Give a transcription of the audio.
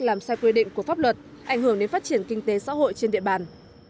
làm sai quy định của pháp luật ảnh hưởng đến phát triển kinh tế xã hội trên địa bàn